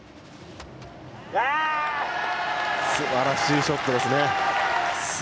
すばらしいショットです。